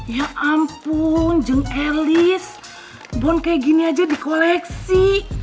ya ampun jung elis bond kayak gini aja di koleksi